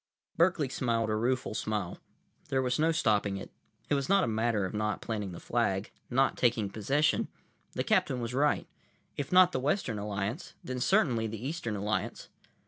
Berkeley smiled a rueful smile. There was no stopping it. It was not a matter of not planting the flag, not taking possession. The captain was right. If not the Western Alliance, then certainly the Eastern Alliance.